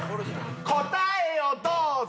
答えをどうぞ！